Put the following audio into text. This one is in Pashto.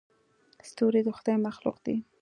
ستوري د خدای مخلوقات دي.